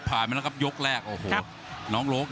ผ่านไปแล้วครับยกแรกโอ้โห